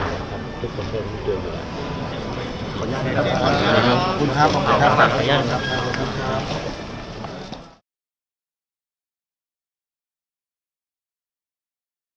ขอบคุณครับขอบคุณครับขอบคุณครับ